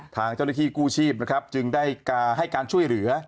ทางเจ้าหน้าที่กู้ชีพนะครับจึงได้ให้การช่วยเหลือ